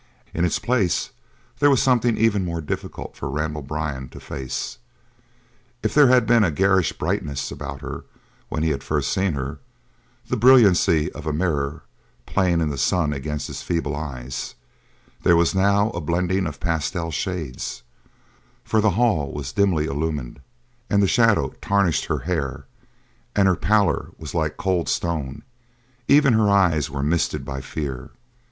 In its place there was something even more difficult for Randall Byrne to face. If there had been a garish brightness about her when he had first seen her, the brilliancy of a mirror playing in the sun against his feeble eyes, there was now a blending of pastel shades, for the hall was dimly illumined and the shadow tarnished her hair and her pallor was like cold stone; even her eyes were misted by fear.